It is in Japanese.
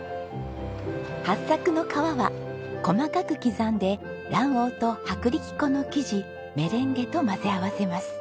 ハッサクの皮は細かく刻んで卵黄と薄力粉の生地メレンゲと混ぜ合わせます。